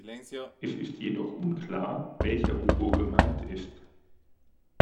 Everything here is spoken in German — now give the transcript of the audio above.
Es ist jedoch unklar, welcher Hugo gemeint ist.